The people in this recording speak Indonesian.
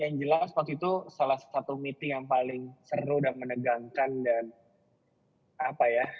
yang jelas waktu itu salah satu meeting yang paling seru dan menegangkan dan apa ya